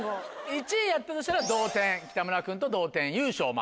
１位やったとしたら北村君と同点優勝もあります。